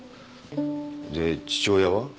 で父親は？